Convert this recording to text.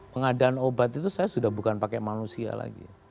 pengadaan obat itu saya sudah bukan pakai manusia lagi